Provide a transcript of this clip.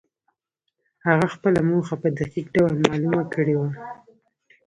هغه خپله موخه په دقيق ډول معلومه کړې وه.